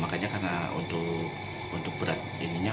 makanya karena untuk berat ininya